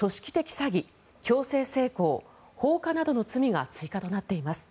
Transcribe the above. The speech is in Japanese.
詐欺強制性交、放火などの罪が追加となっています。